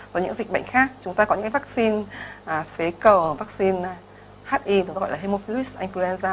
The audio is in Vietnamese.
và những dịch bệnh khác chúng ta có những cái vaccine phế cầu vaccine hi chúng ta gọi là haemophilus influenza